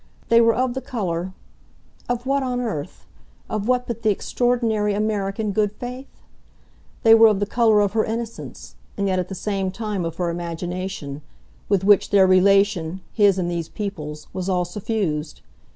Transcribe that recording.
They were of the colour of what on earth? of what but the extraordinary American good faith? They were of the colour of her innocence, and yet at the same time of her imagination, with which their relation, his and these people's, was all suffused.